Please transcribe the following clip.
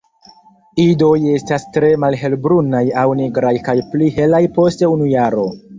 Idoj estas tre malhelbrunaj aŭ nigraj kaj pli helaj post unu jaro.